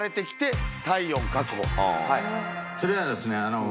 それはですね